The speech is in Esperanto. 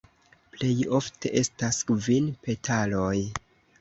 Plej ofte estas kvin petaloj.